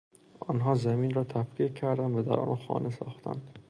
آنها زمین را تفکیک کردند و در آن خانه ساختند.